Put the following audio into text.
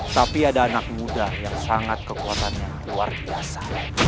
tapi ada anak muda yang sangat kekuatannya luar biasa